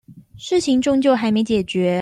事情終究還沒解決